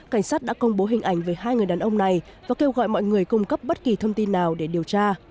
cảnh sát đã công bố hình ảnh về hai người đàn ông này và kêu gọi mọi người cung cấp bất kỳ thông tin nào để điều tra